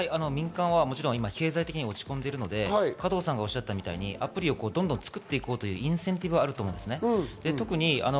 民間はもちろん、今、経済的に落ち込んでいるので、加藤さんがおっしゃったようにアプリをどんどん作って行こうというインセンティブがあると思うんです。